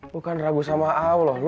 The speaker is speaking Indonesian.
bukan ragu sama allah